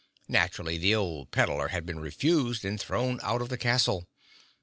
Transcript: Naturally the old peddlar had been refused and thrown out of the castle.